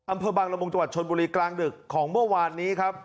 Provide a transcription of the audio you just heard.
อำเภอบังละมุงจังหวัดชนบุรีกลางดึกของเมื่อวานนี้ครับ